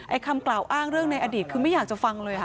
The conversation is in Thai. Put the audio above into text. คำกล่าวอ้างเรื่องในอดีตคือไม่อยากจะฟังเลยค่ะ